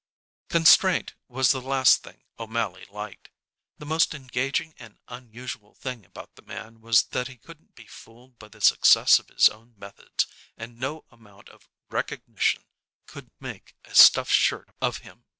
Constraint was the last thing O'Mally liked. The most engaging and unusual thing about the man was that he couldn't be fooled by the success of his own methods, and no amount of "recognition" could make a stuffed shirt of him.